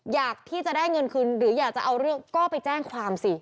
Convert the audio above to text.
อยากที่จะได้เงินคืนหรืออยากจะเอาเรื่องก็ไปแจ้งความสิ